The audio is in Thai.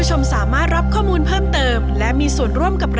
โหลดแล้วครับ